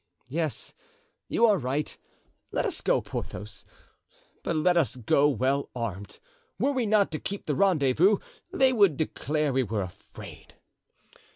Yes, you are right; let us go, Porthos, but let us go well armed; were we not to keep the rendezvous, they would declare we were afraid.